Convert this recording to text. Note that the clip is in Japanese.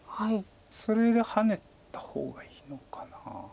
それでハネた方がいいのかな。